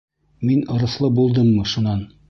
— Мин ырыҫлы булдыммы шунан?